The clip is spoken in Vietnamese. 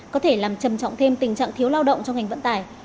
có thể làm trầm trọng thêm tình trạng thiếu lao động trong ngành vận tải